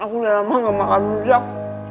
aku udah lama gak makan rujak